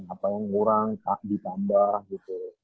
apa yang kurang ditambah gitu